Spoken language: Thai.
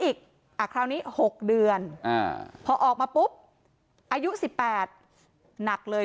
อีกคราวนี้๖เดือนพอออกมาปุ๊บอายุ๑๘หนักเลย